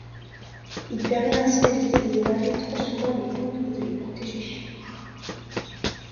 Il permet ainsi d'éviter de démarrer trop souvent les pompes et de les protéger.